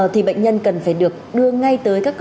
thì bệnh nhân cần phải được đưa ngay